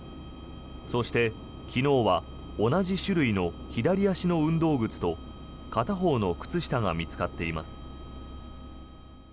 そして、昨日は同じ種類の左足の運動靴と片方の靴下が見つかっています。